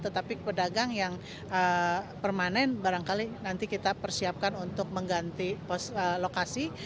tetapi pedagang yang permanen barangkali nanti kita persiapkan untuk mengganti lokasi